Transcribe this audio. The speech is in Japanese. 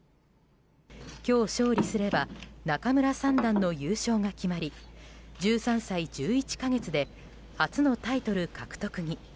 今日勝利すれば仲邑三段の優勝が決まり１３歳１１か月で初のタイトル獲得に。